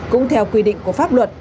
cũng theo quy định của pháp luật